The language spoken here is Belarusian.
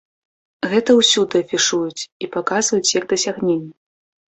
Гэта ўсюды афішуюць і паказваюць як дасягненне.